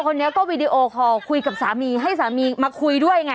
คือมันเป็นคลิปเหตุการณ์ที่ผู้หญิงคนนี้ที่เธอเมานะ